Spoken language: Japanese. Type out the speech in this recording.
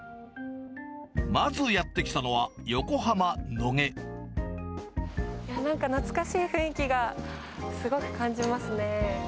まずやって来たのは、なんか懐かしい雰囲気がすごく感じますね。